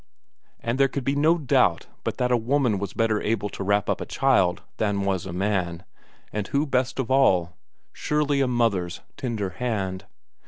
And there could be no doubt but that a woman was better able to wrap up a child than was a man and who best of all? Surely a mother's tender hand?